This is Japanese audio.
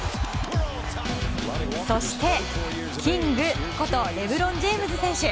そして、キングことレブロン・ジェームズ選手。